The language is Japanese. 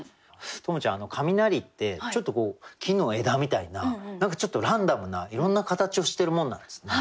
十夢ちゃん雷ってちょっと木の枝みたいな何かちょっとランダムないろんな形をしてるもんなんですね。